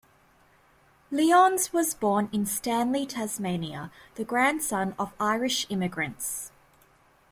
Lyons was born in Stanley, Tasmania, the grandson of Irish immigrants.